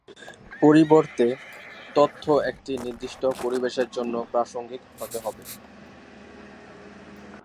পরিবর্তে, তথ্য একটি নির্দিষ্ট পরিবেশের জন্য প্রাসঙ্গিক হতে হবে।